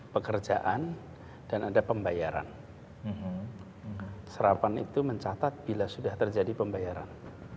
pekerjaan dan ada pembayaran serapan itu mencatat bila sudah terjadi pembayaran